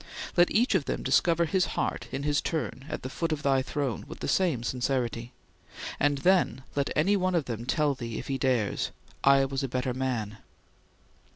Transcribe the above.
Let each of them discover his heart in his turn at the foot of thy throne with the same sincerity; and then let any one of them tell thee if he dares: 'I was a better man!'"